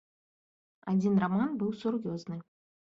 Адзін раман быў сур'ёзны.